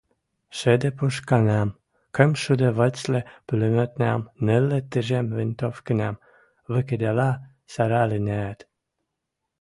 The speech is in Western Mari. Шӱдӹ пушканам, кымшӱдӹ вӹцлӹ пулемётнам, нӹллӹ тӹжем винтовкынам вӹкӹдӓлӓ сӓрӓлӹнӓӓт